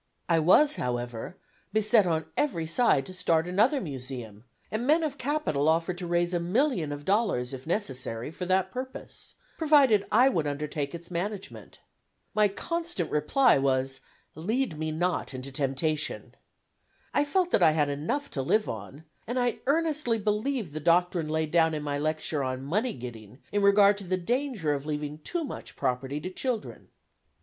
I was, however, beset on every side to start another Museum, and men of capital offered to raise a million of dollars if necessary, for that purpose, provided I would undertake its management. My constant reply was, "lead me not into temptation." I felt that I had enough to live on, and I earnestly believed the doctrine laid down in my lecture on "Money Getting," in regard to the danger of leaving too much property to children.